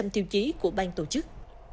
chín trăm linh tiêu chí của bang tổ chức